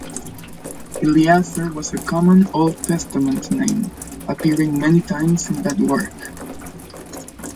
Eleazar was a common Old Testament name, appearing many times in that work.